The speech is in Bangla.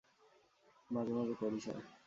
মাঝে মাঝে করি, স্যার।